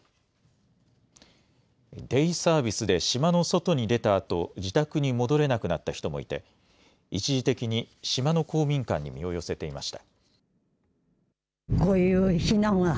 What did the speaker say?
デイサービスで島の外に出たあと自宅に戻れなくなった人もいて、一時的に島の公民館に身を寄せていました。